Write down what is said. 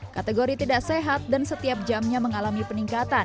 kategori tidak sehat dan setiap jamnya mengalami peningkatan